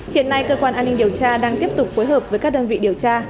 hiện nay cơ quan an ninh điều tra đang tiếp tục phối hợp với các đơn vị điều tra